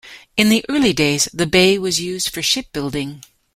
In the early days, the bay was used for shipbuilding.